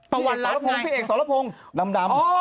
พระเอกปอวันรัฐพระเอกสวรพงศ์ดำ